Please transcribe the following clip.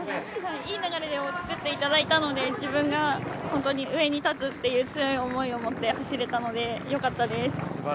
いい流れを作っていただいたので、自分が上に立つという強い思いを持って走れたのでよかったです。